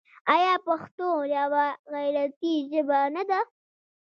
آیا پښتو یوه غیرتي ژبه نه ده؟